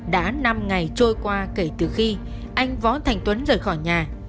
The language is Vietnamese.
đã năm ngày trôi qua kể từ khi anh võ thành tuấn rời khỏi nhà